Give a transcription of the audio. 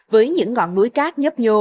với những ngọn núi cát nhấp nhô